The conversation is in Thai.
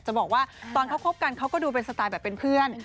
จะบอกว่าตอนเขาคบกันเขาก็ดูเป็นสไตล์แบบเป็นเพื่อน